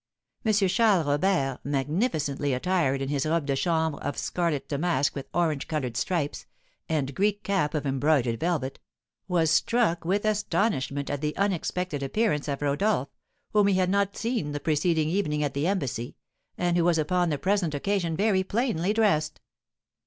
M. Charles Robert, magnificently attired in his robe de chambre of scarlet damask with orange coloured stripes, and Greek cap of embroidered velvet, was struck with astonishment at the unexpected appearance of Rodolph, whom he had not seen the preceding evening at the embassy, and who was upon the present occasion very plainly dressed.